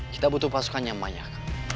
kita butuh pasukan yang banyak